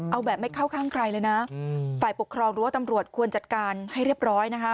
เอาแบบไม่เข้าข้างใครเลยนะฝ่ายปกครองหรือว่าตำรวจควรจัดการให้เรียบร้อยนะคะ